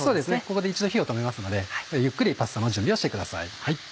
ここで一度火を止めますのでゆっくりパスタの準備をしてください。